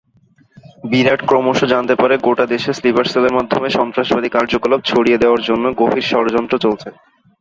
বিরাট ক্রমশ জানতে পারে গোটা দেশে স্লিপার সেলের মাধ্যমে সন্ত্রাসবাদী কার্যকলাপ ছড়িয়ে দেওয়ার জন্যে গভীর ষড়যন্ত্র চলছে।